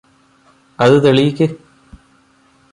അത് തെളിയിക്ക്